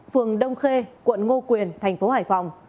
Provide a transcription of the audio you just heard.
phường đông khê quận ngo quyền thành phố hải phòng